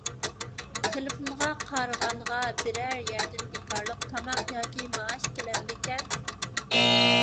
تېلېفونغا قارىغانغا بىرەر يەردىن بىكارلىق تاماق ياكى مائاش كېلەمدىكەن؟